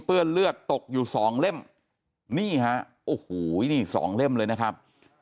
เลือดเลือดตกอยู่สองเล่มนี่ฮะโอ้โหนี่สองเล่มเลยนะครับ